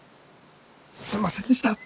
すいませんでした。